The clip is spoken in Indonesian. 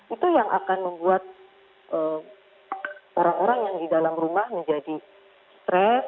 itu yang akan membuat orang orang yang di dalam rumah menjadi stres